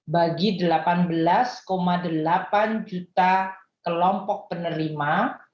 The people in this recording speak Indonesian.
bagi delapan belas delapan juta kelompok penerima